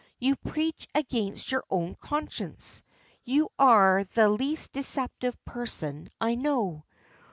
"You preach against your own conscience. You are the least deceptive person I know.